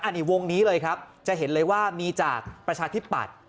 อันนี้วงนี้เลยครับจะเห็นเลยว่ามีจากประชาชนิดปัด